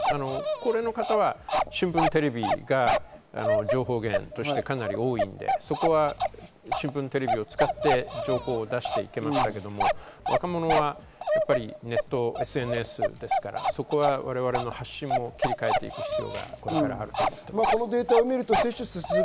高齢の方は新聞、テレビが情報源としてかなり多いので、新聞やテレビを使って情報を出していけましたけれども、若者はネット、ＳＮＳですから、我々の発信も切り替えていく必要があると思います。